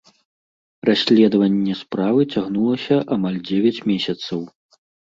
Расследаванне справы цягнулася амаль дзевяць месяцаў.